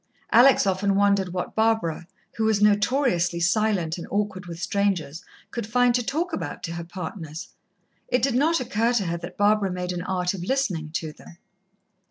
Alex often wondered what Barbara, who was notoriously silent and awkward with strangers, could find to talk about to her partners. It did not occur to her that Barbara made an art of listening to them.